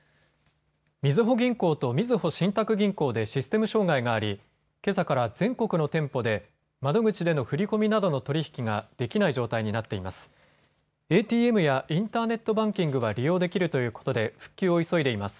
みずほ銀行とみずほ信託銀行でシステム障害がありけさから全国の店舗で窓口での振り込みなどの取り引きができない状態になっています。